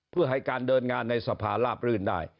เพื่อให้การเดินงานในสภาลาบรื่นได้